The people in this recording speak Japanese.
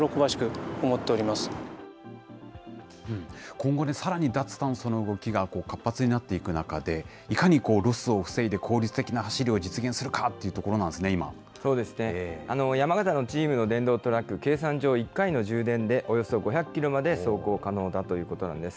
今後、さらに脱炭素の動きが活発になっていく中で、いかにロスを防いで効率的な走りを実現するかというところなんでそうですね、山形のチームの電動トラック、計算上、１回の充電でおよそ５００キロまで走行可能だということなんです。